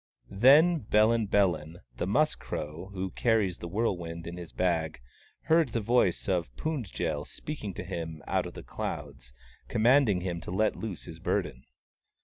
Then Bellin Bellin, the Musk Crow, who carries the whirlwind in his bag, heard the voice of Pund jel speaking to him out of the clouds, commanding him to let loose his burden.